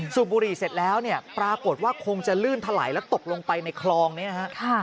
สูบบุหรี่เสร็จแล้วเนี่ยปรากฏว่าคงจะลื่นถลายแล้วตกลงไปในคลองเนี่ยฮะ